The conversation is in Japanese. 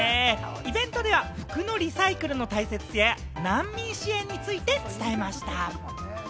イベントでは服のリサイクルの大切さや難民支援について伝えました。